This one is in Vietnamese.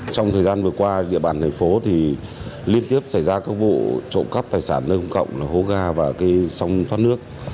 trong thời gian vừa qua địa bàn thành phố liên tiếp xảy ra các vụ trộm cắp tài sản nâng cộng hố ga và sông thoát nước